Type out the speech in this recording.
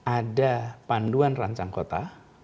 ada panduan rancang kota